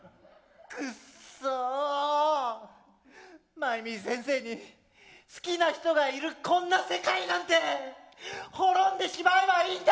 マイミー先生に好きな人がいるこんな世界なんて滅んでしまえばいいんだ！